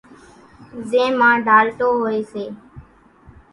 زين مان ڍالٽو ھوئي سي،